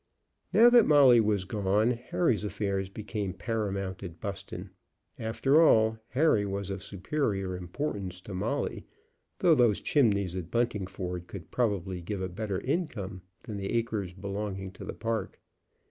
Now that Molly was gone, Harry's affairs became paramount at Buston. After all, Harry was of superior importance to Molly, though those chimneys at Buntingford could probably give a better income than the acres belonging to the park.